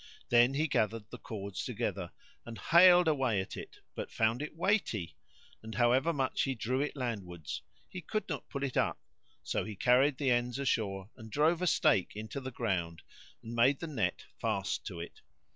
Then he gathered the cords together and haled away at it, but found it weighty; and however much he drew it landwards, he could not pull it up; so he carried the ends ashore and drove a stake into the ground and made the net fast to it.